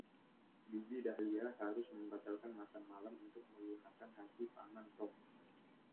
Bibi Dahlia harus membatalkan makan malam untuk melunakkan hati Paman Tom.